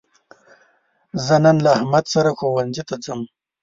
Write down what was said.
زه نن له احمد سره ښوونځي ته ځم.